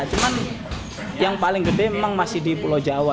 cuman yang paling gede memang masih di pulau jawa